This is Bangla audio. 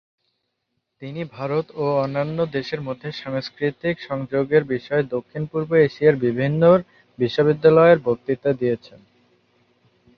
তিনি ভারত ও অন্যান্য দেশের মধ্যে সাংস্কৃতিক সংযোগের বিষয়ে দক্ষিণ-পূর্ব এশিয়ার বিভিন্ন বিশ্ববিদ্যালয়ে বক্তৃতা দিয়েছেন।